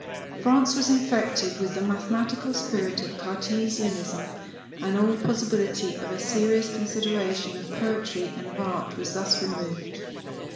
France was infected with the mathematical spirit of Cartesianism and all possibility of a serious consideration of poetry and of art was thus removed.